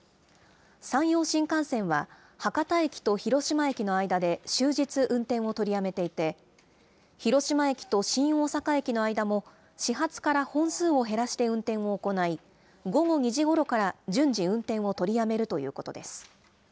山陽新幹線は博多駅と広島駅の間で終日運転を取りやめていて、広島駅と新大阪駅の間も始発から本数を減らして運転を行い、午後２時ごろから順次、運転を取りやめるということです。